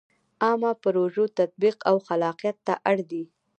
عامه پروژو تطبیق او خلاقیت ته اړ دی.